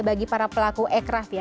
bagi para pelaku ekraft ya